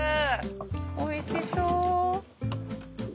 おいしそう。